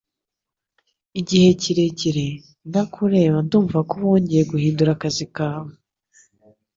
Igihe kirekire, nta kureba Ndumva ko wongeye guhindura akazi kawe